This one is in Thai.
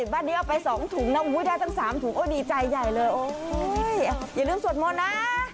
บ้านนี้เอาไป๒ถุงนะได้ตั้ง๓ถุงโอ้ดีใจใหญ่เลยโอ้ยอย่าลืมสวดมนต์นะ